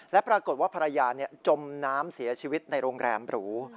และปรากฏว่าภรรยาจมน้ำเสียชีวิตในโรงแรมหรู